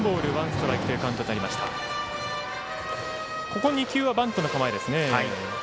ここ２球はバントの構えですね。